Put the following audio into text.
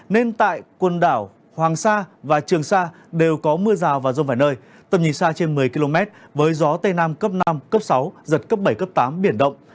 nên tại quần đảo hoàng sa và trường sa đều có mưa rào và rông vài nơi tầm nhìn xa trên một mươi km với gió tây nam cấp năm cấp sáu giật cấp bảy cấp tám biển động